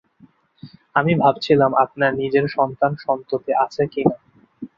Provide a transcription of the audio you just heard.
আমি ভাবছিলাম আপনার নিজের সন্তান-সন্ততি আছে কি না।